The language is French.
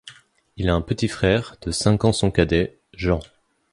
Il a un petit frère, de cinq ans son cadet, Jean.